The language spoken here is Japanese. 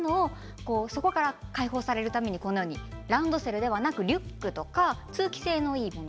そこから解放されるためにこのようにランドセルではなくリュックとか通気性のいいもの